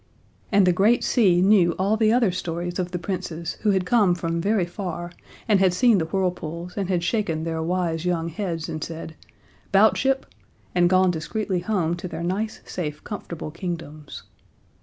And the great sea knew all the other stories of the Princes who had come from very far, and had seen the whirlpools, and had shaken their wise young heads and said: "'Bout ship!" and gone discreetly home to their nice, safe, comfortable kingdoms.